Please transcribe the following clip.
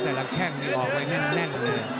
แต่รับแหงออกไว้แน่น